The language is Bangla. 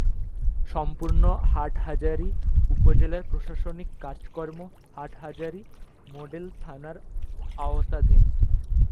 সম্পূর্ণ হাটহাজারী উপজেলার প্রশাসনিক কার্যক্রম হাটহাজারী মডেল থানার আওতাধীন।